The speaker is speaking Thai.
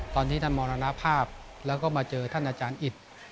ท่านมรณภาพแล้วก็มาเจอท่านอาจารย์อิต